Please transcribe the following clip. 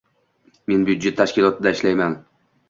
Men byudjet tashkilotida ishlayman